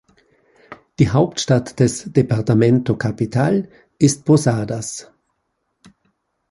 Die Hauptstadt des Departamento Capital ist Posadas.